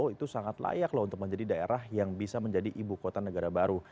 itu sangat layak untuk menjadi daerah yang bisa menjadi ibu kota negara baru